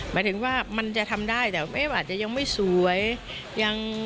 หมายถึงว่ามันจะทำได้แต่หยังไม่สวย